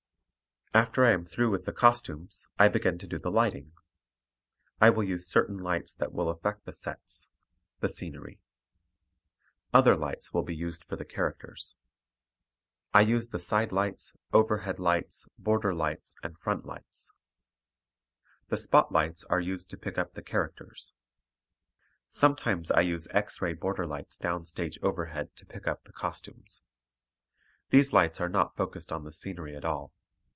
After I am through with the costumes, I begin to do the lighting. I will use certain lights that will affect the sets, the scenery. Other lights will be used for the characters. I use the side lights, overhead lights, border lights, and front lights. The spot lights are used to pick up the characters; sometimes I use X ray border lights down stage overhead to pick up the costumes. These lights are not focused on the scenery at all.